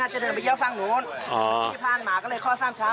เพราะมนุษย์อาจจะเดินไปเยี่ยวฟังโน้นอ๋อที่ผ่านหมาก็เลยข้อสามช้า